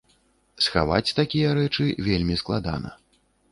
Схаваць такія рэчы вельмі складана!